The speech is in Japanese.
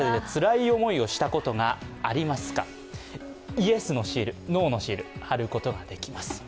ＹＥＳのシールＮＯのシール貼ることができます。